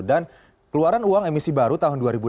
dan keluaran uang emisi baru tahun dua ribu